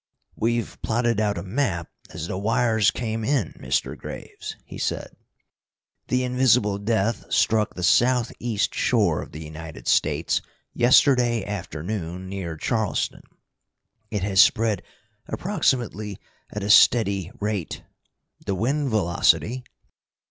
"We've plotted out a map as the wires came in, Mr. Graves," he said. "The Invisible Death struck the southeast shore of the United States yesterday afternoon near Charleston. It has spread approximately at a steady rate. The wind velocity